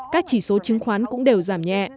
các chỉ số chứng khoán cũng đều giảm nhẹ